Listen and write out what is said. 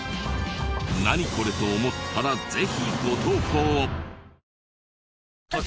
「ナニコレ？」と思ったらぜひご投稿を。